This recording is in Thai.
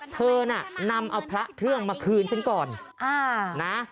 เธอน่ะนำเอาพระเครื่องมาคืนฉันก่อนนะ